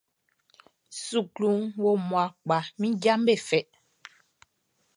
Sukluʼn wo mmua kpa, min jaʼm be fɛ.